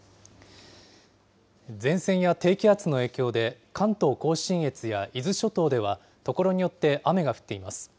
前線や低気圧の影響で、関東甲信越や伊豆諸島では、所によって雨が降っています。